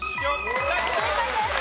正解です。